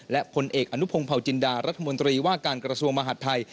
และผลเอกอนุพงศ์เผาจินดารัฐมนตรีว่าการกระทรวงมหาดไทย